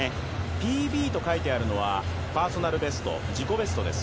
ＰＢと書いてあるのはパーソナルベスト、自己ベストです。